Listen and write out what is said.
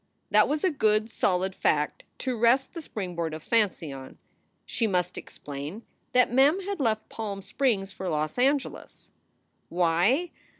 That was a good, solid fact to rest the springboard of fancy on. She must explain that Mem had left Palm Springs for Los Angeles. Why?